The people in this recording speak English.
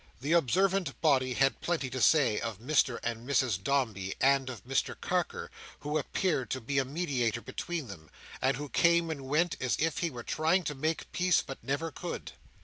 This observant body had plenty to say of Mr and Mrs Dombey, and of Mr Carker, who appeared to be a mediator between them, and who came and went as if he were trying to make peace, but never could.